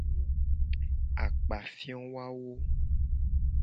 Akpafio wawo.